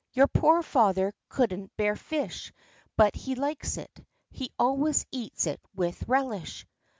Your poor father couldn't bear fish, but he likes it. He always eats it with relish."